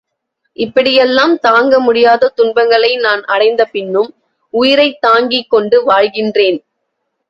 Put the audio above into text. இப்படியெல்லாம் தாங்க முடியாத துன்பங்களை நான் அடைந்த பின்னும், உயிரைத் தாங்கிக் கொண்டு வாழ்கின்றேன்.